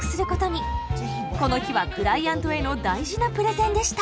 この日はクライアントへの大事なプレゼンでした。